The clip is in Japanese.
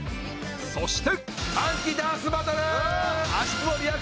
そして